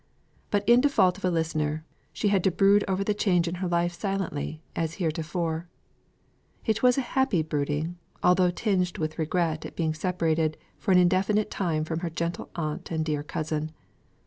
But in default of a listener, she had to brood over the change in her life silently as heretofore. It was a happy brooding, although tinged with regret at being separated for an indefinite time from her gentle aunt and dear cousin.